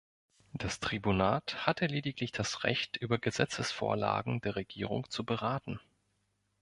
Das Tribunat hatte lediglich das Recht über Gesetzesvorlagen der Regierung zu beraten.